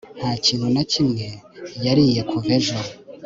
nta kintu na kimwe nariye kuva ejo